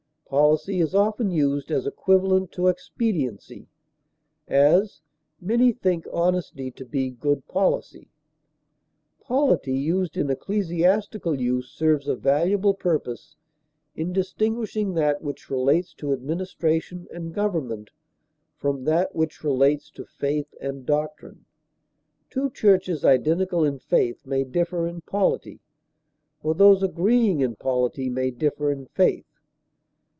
Policy is often used as equivalent to expediency; as, many think honesty to be good policy. Polity used in ecclesiastical use serves a valuable purpose in distinguishing that which relates to administration and government from that which relates to faith and doctrine; two churches identical in faith may differ in polity, or those agreeing in polity may differ in faith.